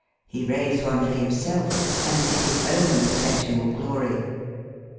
He raised one for himself and to his own per petual glory.